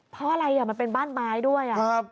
เพราะอะไรมันเป็นบ้านไม้ด้วย